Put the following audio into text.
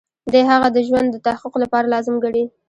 دی هغه د ښه ژوند د تحقق لپاره لازم ګڼي.